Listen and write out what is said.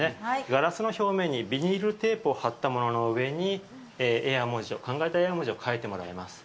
ガラスの表面にビニールテープを貼ったものの上に絵や文字を考えた絵や文字を描いてもらいます。